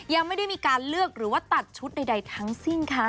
ยังไม่ได้มีการเลือกหรือว่าตัดชุดใดทั้งสิ้นค่ะ